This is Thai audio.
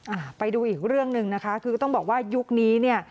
อ่าไปดูอีกเรื่องหนึ่งนะคะคือต้องบอกว่ายุคนี้เนี่ย